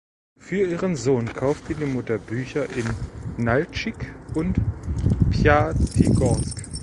Für ihren Sohn kaufte die Mutter Bücher in Naltschik und Pjatigorsk.